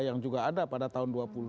yang juga ada pada tahun dua ribu dua puluh